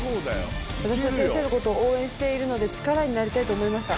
「私は先生のことを応援しているので力になりたいと思いました」。